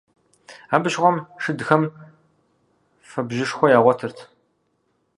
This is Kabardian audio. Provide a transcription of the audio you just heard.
Абы щыгъуэм шыдхэм фэбжьышхуэ ягъуэтырт.